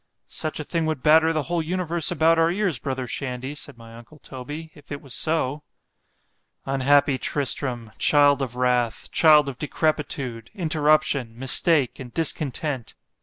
——Such a thing would batter the whole universe about our ears, brother Shandy, said my uncle Toby—if it was so—Unhappy Tristram! child of wrath! child of decrepitude! interruption! mistake! and discontent!